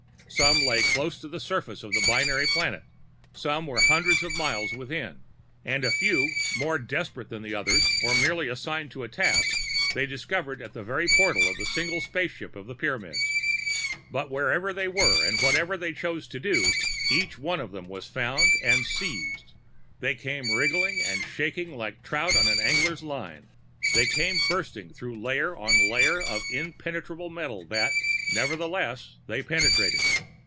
Some lay close to the surface of the binary planet, and some were hundreds of miles within, and a few, more desperate than the others or merely assigned to the task, they discovered at the very portal of the single spaceship of the Pyramids. But wherever they were and whatever they chose to do, each one of them was found and seized. They came wriggling and shaking, like trout on an angler's line. They came bursting through layer on layer of impenetrable metal that, nevertheless, they penetrated.